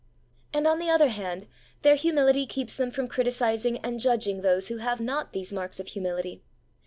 And, on the other hand, their humility keeps them from criticizing and judging those who have not these marks of humility.